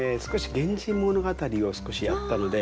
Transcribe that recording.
「源氏物語」を少しやったので。